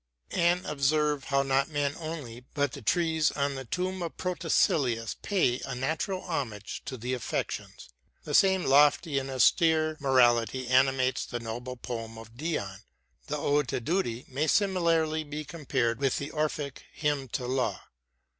And observe how not men only, but the trees on the tomb of Protesilaus pay a natural homage to the affections. The same lofty and austere morality animates the noble poem of " Dion." The " Ode to Duty " may similarly be compared with the Orphic " Hymn to Law."